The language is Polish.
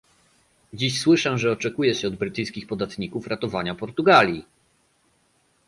Dziś słyszę, że oczekuje się od brytyjskich podatników ratowania Portugalii!